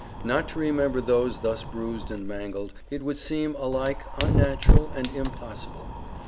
Not to remember those thus bruised and mangled, it would seem alike unnatural, and impossible.